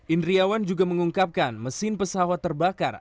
indriawan juga mengungkapkan mesin pesawat terbakar